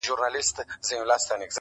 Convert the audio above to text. • سمدستي ورته خپل ځان را رسومه -